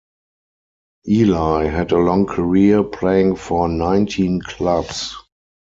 Ilie had a long career, playing for nineteen clubs.